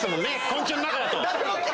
昆虫の中だと。